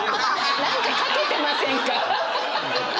何か掛けてませんか！？